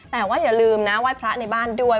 แต่ว่าอย่าลืมนะไหว้พระในบ้านด้วย